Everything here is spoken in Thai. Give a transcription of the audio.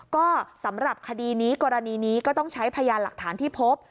ก็สำหรับคดีนี้กรณีนี้ก็ต้องใช้พยานหลักฐานที่พบ